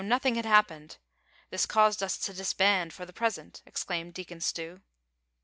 51 nothing had Iiappened ; this caused us to disband for the present," exclaimed Deacon Stew.